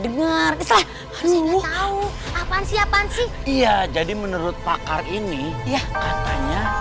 dengar itu tahu apaan siapaan sih iya jadi menurut pakar ini ya katanya